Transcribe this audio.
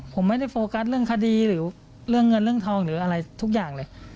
ผมไม่ได้โฟกัสเรื่องคดีหรือเรื่องเงินเรื่องทองหรืออะไรทุกอย่างเลย